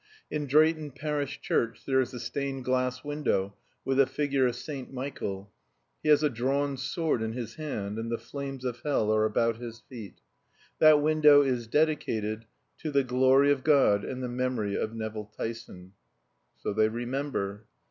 In Drayton Parish Church there is a stained glass window with a figure of St. Michael; he has a drawn sword in his hand and the flames of hell are about his feet. That window is dedicated TO THE GLORY OF GOD AND THE MEMORY OF NEVILL TYSON. So they remember.